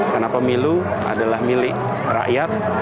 karena pemilu adalah milik rakyat